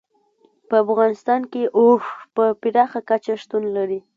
په افغانستان کې اوښ په پراخه کچه شتون لري.